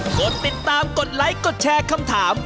กดติดตามกดไลค์กดแชร์คำถาม